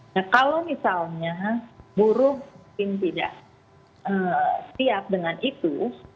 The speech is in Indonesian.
nah kalau misalnya buruh mungkin tidak siap dengan itu